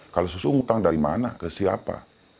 kalau susu utang dari mana ke siapa